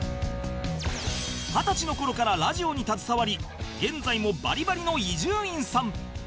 二十歳の頃からラジオに携わり現在もバリバリの伊集院さん